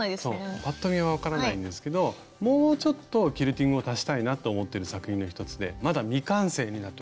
パッと見は分からないんですけどもうちょっとキルティングを足したいなと思ってる作品の一つでまだ未完成になっております。